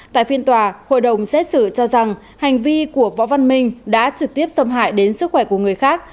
tại phiên tòa hội đồng xét xử cho rằng hành vi của võ văn minh đã trực tiếp xâm hại đến sức khỏe của người khác